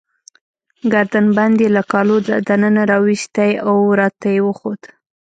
ګردن بند يې له کالو له دننه راوایستی، او راته يې وښود.